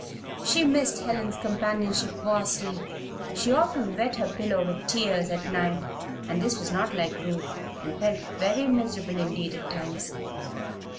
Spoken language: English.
She missed Helen's companionship vastly; she often wet her pillow with tears at night (and that was not like Ruth) and felt very miserable indeed at times.